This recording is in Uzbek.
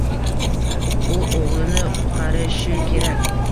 U o‘g‘lini qutqarishi kerak.